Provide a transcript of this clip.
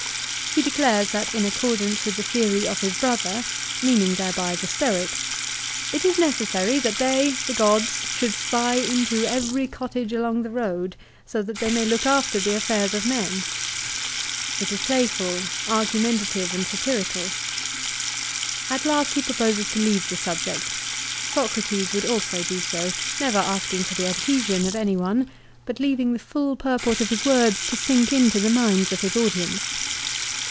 He declares that in accordance with the theory of his brother, meaning thereby the Stoics, " it is necessary that they, the gods, should spy into every cottage along the road, so that they may look after the affairs of men. 1 It is playful, argumentative, and satirical. At last he proposes to leave the subject. Socrates would also do so, never asking for the adhesion of any one, but leaving the full purport of his words to sink into the minds of his audience.